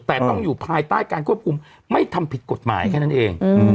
แต่ต้องอยู่ภายใต้การควบคุมไม่ทำผิดกฎหมายแค่นั้นเอง